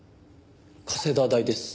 加世田大です。